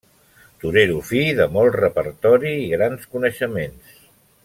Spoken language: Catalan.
Torero fi, de molt repertori i grans coneixements.